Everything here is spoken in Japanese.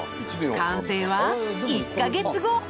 完成は１ヵ月後！